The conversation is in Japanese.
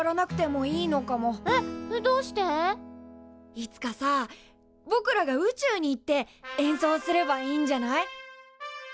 いつかさぼくらが宇宙に行って演奏すればいいんじゃない？